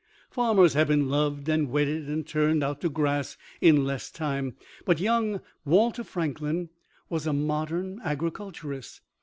Farmers have been loved and wedded and turned out to grass in less time. But young Walter Franklin was a modern agriculturist.